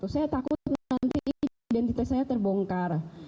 saya takut nanti identitas saya terbongkar